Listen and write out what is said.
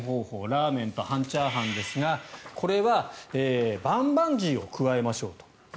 ラーメンと半チャーハンですがこれはバンバンジーを加えましょうと。